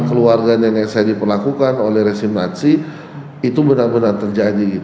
keluarganya yang saya diperlakukan oleh resim nazi itu benar benar terjadi